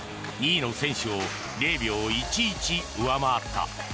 ２位の選手を０秒１１上回った。